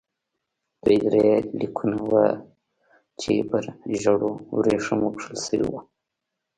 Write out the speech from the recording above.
دوی درې لیکونه وو چې پر ژړو ورېښمو کښل شوي وو.